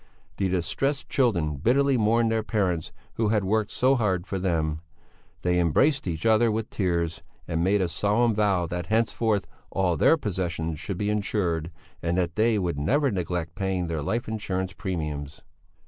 The distressed children bitterly mourned their parents, who had worked so hard for them. They embraced each other with tears and made a solemn vow that henceforth all their possessions should be insured, and that they would never neglect paying their life insurance premiums.